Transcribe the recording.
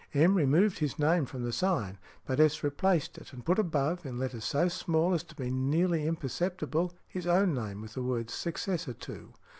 M. removed his name from the sign, but S. replaced it, and put above, in letters so small as to be nearly imperceptible, his own name with the words "successor to."